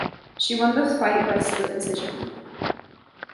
She won the fight by split decision.